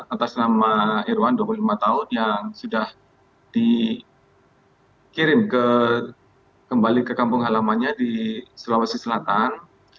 atas nama irwan dua puluh lima tahun yang sudah dikirim kembali ke kampung halamannya di sulawesi selatan